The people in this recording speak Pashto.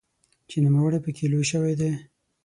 چې نوموړی پکې لوی شوی دی.